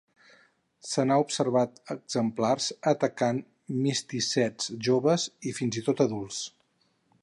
Se n'han observat exemplars atacant misticets joves i fins i tot adults.